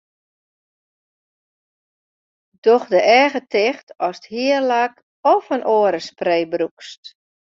Doch de eagen ticht ast hierlak of in oare spray brûkst.